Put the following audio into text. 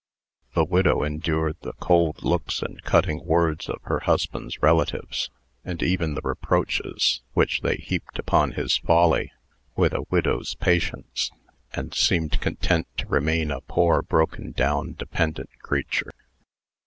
The widow endured the cold looks and cutting words of her husband's relatives, and even the reproaches which they heaped upon his folly, with a widow's patience, and seemed content to remain a poor, broken down, dependent creature.